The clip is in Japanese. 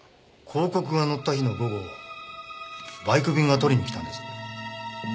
広告が載った日の午後バイク便が取りに来たんです。